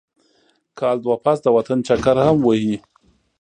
کال دوه پس د وطن چکر هم وهي.